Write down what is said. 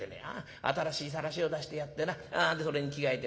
新しいさらしを出してやってなそれに着替えて